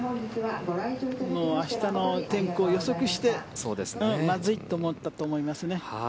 明日の天候を予測してまずいと思ったと思いますね。